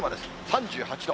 ３８度。